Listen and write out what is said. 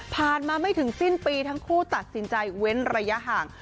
มาไม่ถึงสิ้นปีทั้งคู่ตัดสินใจเว้นระยะห่าง